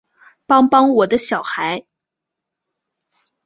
帮帮我的小孩